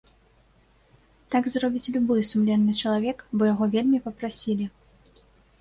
Так зробіць любы сумленны чалавек, бо яго вельмі папрасілі.